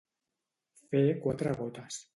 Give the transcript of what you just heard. Fer quatre gotes.